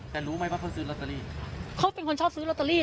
แต่รู้ไหมว่าเขาซื้อลอตเตอรี่เขาเป็นคนชอบซื้อลอตเตอรี่